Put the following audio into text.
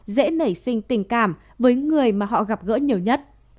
dễ nảy sinh tình cảm với người mà họ gặp gỡ nhiều nhất